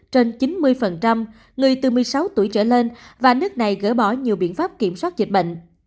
trên chín mươi người từ một mươi sáu tuổi trở lên và nước này gỡ bỏ nhiều biện pháp kiểm soát dịch bệnh